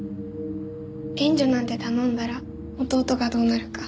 援助なんて頼んだら弟がどうなるか。